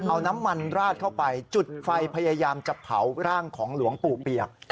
เอาน้ำมันราดเข้าไปจุดไฟพยายามจะเผาร่างของหลวงปู่เปียก